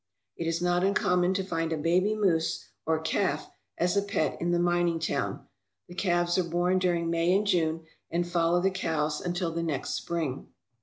It is not uncommon to find a baby moose, or calf, as a pet in the mining towns. The calves are born during May and June, and follow the cows until the next spring.